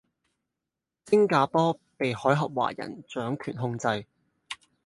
星加坡被海峽華人掌權控制